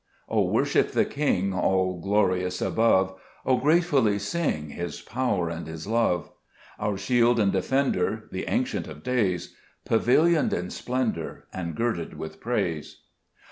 O WORSHIP the King all glorious above, O gratefully sing His power and His love ; Our Shield and Defender, the Ancient of days, Pavilioned in splendor, and girded with praise.